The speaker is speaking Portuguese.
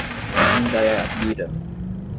Indaiabira